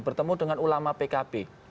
bertemu dengan ulama pkb